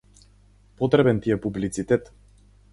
Потребен ти е публицитет.